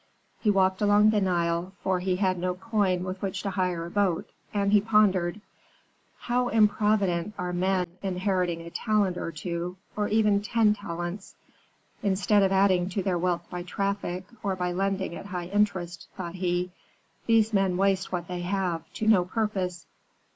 "He walked along the Nile, for he had no coin with which to hire a boat, and he pondered, "'How improvident are men inheriting a talent or two, or even ten talents! Instead of adding to their wealth by traffic, or by lending at high interest,' thought he, 'these men waste what they have, to no purpose.